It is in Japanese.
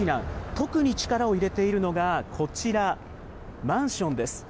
特に力を入れているのがこちら、マンションです。